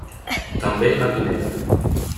També a Guinea.